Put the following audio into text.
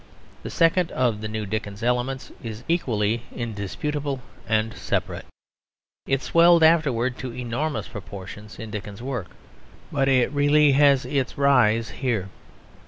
The second of the new Dickens elements is equally indisputable and separate. It swelled afterwards to enormous proportions in Dickens's work; but it really has its rise here.